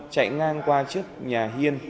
chạy ngang qua trước nhà hiên